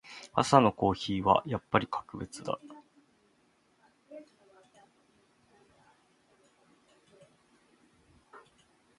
朝のコーヒーはやっぱり格別だ。